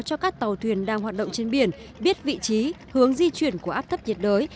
cho các tàu thuyền đang hoạt động trên biển biết vị trí hướng di chuyển của áp thấp nhiệt đới